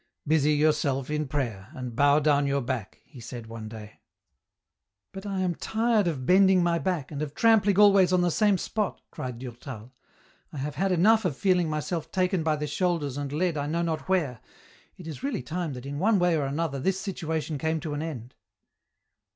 " Busy yourself in prayer, and bow down your back," he said one day. " But I am tired of bending my back, and of trampling always on the same spot," cried Durtal. "I have had enough of feeling myself taken by the shoulders and led I know not where, it is really time that in one way or another this situation came to an end."